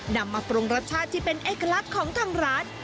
นำมาปรุงรสชาติที่เป็นเอกลักษณ์ของทางร้าน